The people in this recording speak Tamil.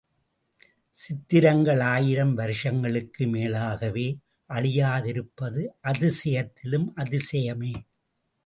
சித்திரங்கள் ஆயிரம் வருஷங்களுக்கு மேலாகவே அழியாதிருப்பது அதிசயத்திலும் அதிசயமே.